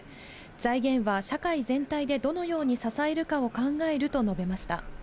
財源は社会全体でどのように支えるかを考えると述べました。